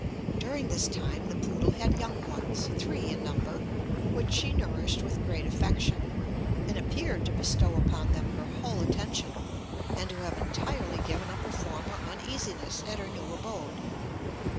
During this time the poodle had young ones, three in number, which she nourished with great affection, and appeared to bestow upon them her whole attention, and to have entirely given up her former uneasiness at her new abode.